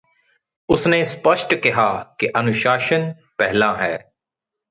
ਉਸ ਨੇ ਸਪੱਸ਼ਟ ਕਿਹਾ ਕਿ ਅਨੁਸਾਸ਼ਨ ਪਹਿਲਾਂ ਹੈ